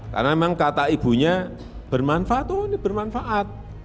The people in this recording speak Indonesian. karena memang kata ibunya bermanfaat tuh ini bermanfaat